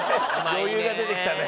余裕が出てきたね。